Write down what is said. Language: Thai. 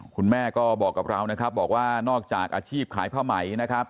คุณแม่ก็บอกกับเรานะครับบอกว่านอกจากอาชีพขายผ้าไหมนะครับ